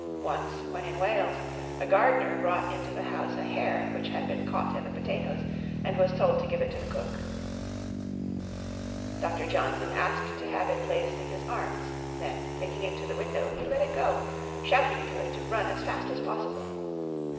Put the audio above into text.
Once, when in Wales, a gardener brought into the house a hare which had been caught in the potatoes, and was told to give it to the cook. Dr. Johnson asked to have it placed in his arms; then, taking it to the window, he let it go, shouting to it to run as fast as possible.